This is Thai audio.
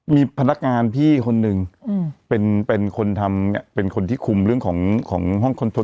มีพนักงานพี่คนหนึ่งเป็นคนทำเป็นคนที่คุมเรื่องของห้องคอนโทร